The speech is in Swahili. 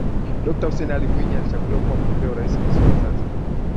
Dokta Hussein Ali Mwinyi alichaguliwa kuwa mgombea wa urais visiwani Zanzibar